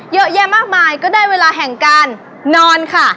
เยอะแยะมากมายก็ได้เวลาแห่งการนอนค่ะ